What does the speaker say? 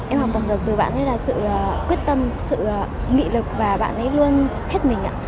em học tập được từ bạn ấy là sự quyết tâm sự nghị lực và bạn ấy luôn hết mình ạ